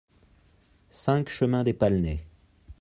cinq chemin des Palnaies